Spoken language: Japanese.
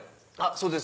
そうです。